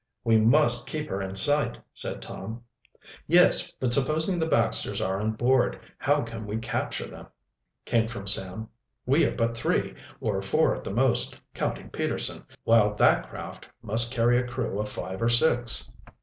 "We must keep her in sight," said Tom. "Yes, but supposing the Baxters are on board, how can we capture them?" came from Sam. "We are but three, or four at the most, counting Peterson, while that craft must carry a crew of five or six."